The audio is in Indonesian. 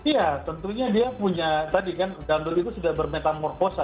ya tentunya dia punya tadi kan dangdut itu sudah bermetamorfosa